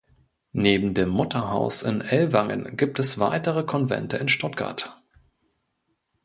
Neben dem Mutterhaus in Ellwangen gibt es weitere Konvente in Stuttgart.